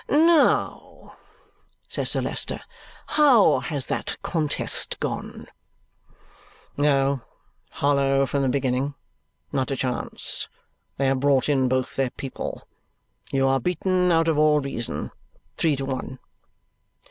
"Now," says Sir Leicester. "How has that contest gone?" "Oh, hollow from the beginning. Not a chance. They have brought in both their people. You are beaten out of all reason. Three to one."